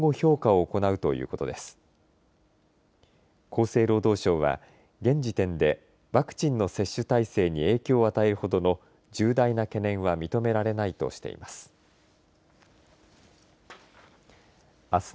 厚生労働省は現時点でワクチンの接種体制に影響を与えるほどの重大な懸念は認められないとしています。